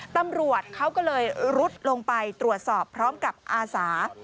ตำรวจเขาก็เลยรุดลงไปตรวจสอบพร้อมกับอาสา